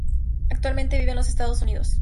Actualmente vive en los Estados Unidos.